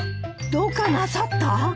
どうかなさった？